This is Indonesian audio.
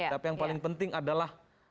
tapi yang paling penting adalah